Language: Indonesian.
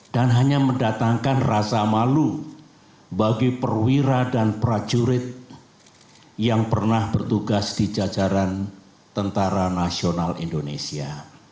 dan hanya mendatangkan rasa malu bagi perwira dan prajurit yang pernah bertugas di jajaran tentara nasional indonesia